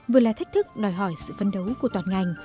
vừa là thách thức đòi hỏi sự phấn đấu của toàn ngành